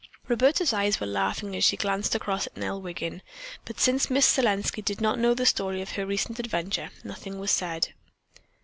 Roberta's eyes were laughing as she glanced across at Nell Wiggin, but since Miss Selenski did not know the story of her recent adventure, nothing was said.